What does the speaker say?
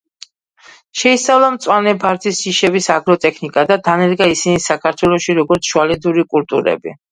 შეისწავლა მწვანე ბარდის ჯიშების აგროტექნიკა და დანერგა ისინი საქართველოში როგორც შუალედური კულტურები.